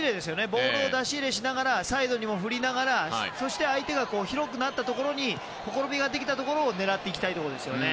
ボールを出し入れしながらサイドにも振りながら相手が広くなったところにほころびが出たところを狙っていきたいですね。